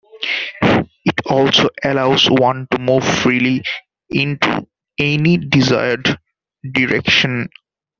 It also allows one to move freely into any desired direction.